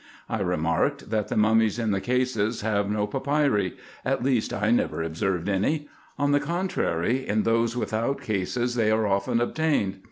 I remarked, that the mummies in the cases have no papyri ; at least, I never observed any : on the contrary, in those without cases they are often obtained.